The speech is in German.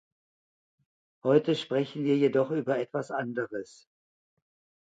Heute sprechen wir jedoch über etwas anderes.